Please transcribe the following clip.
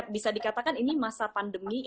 bisa dikatakan ini masa pandemi